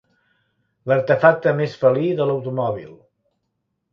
L'artefacte més felí de l'automòbil.